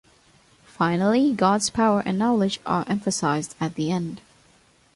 Finally God's power and knowledge are emphasized at the end.